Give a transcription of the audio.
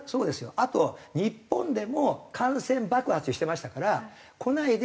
あと日本でも感染爆発してましたから「来ないで。